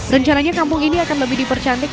rencananya kampung ini akan lebih dipercantik